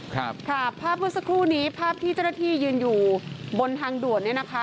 ครับค่ะภาพเมื่อสักครู่นี้ภาพที่เจ้าหน้าที่ยืนอยู่บนทางด่วนเนี่ยนะคะ